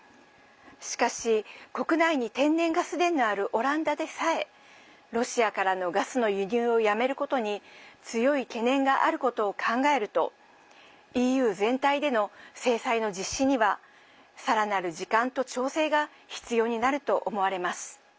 しかし、国内に天然ガス田のあるオランダでさえロシアからのガスの輸入をやめることに強い懸念があることを考えるとＥＵ全体での制裁の実施にはさらなる時間と調整が必要になると思われます。